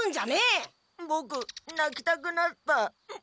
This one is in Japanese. ボクなきたくなった。